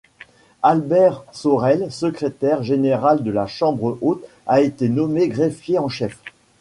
Albert Sorel, secrétaire général de la chambre haute, a été nommé greffier en chef.